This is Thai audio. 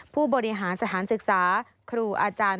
ผู้บริหารสถานศึกษาครูอาจารย์